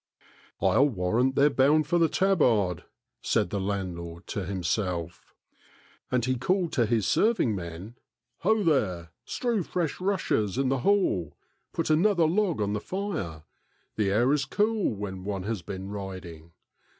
" I '11 warrant they 're bound for the Tabard," said the landlord to himself; and he called to his serving 4 (^t i^t taUxl '^'m men, " Ho there ! Strew fresh rushes in the hall ! Put another log on the fire ! The air is cool when one has been riding.